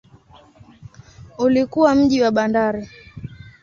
Ulikuwa mji wa bandari.